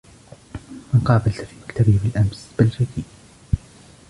من قابلتَ في مكتبي بالأمس بلجيكي.